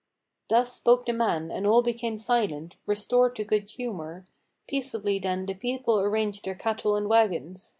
Thus spoke the man and all became silent: restored to good humor, Peaceably then the people arranged their cattle and wagons.